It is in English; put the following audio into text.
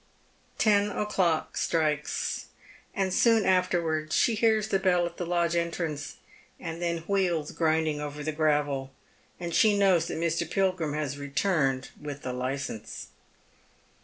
Ten o'clock strikes, and soon afterwards she hears the bell at the lodge entrance, and then wheels grinding over the gravel, and she knows that Mr. Pilgrim has returned with the licence.